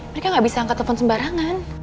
mereka nggak bisa angkat telepon sembarangan